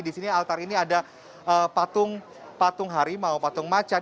di sini altar ini ada patung harimau patung macan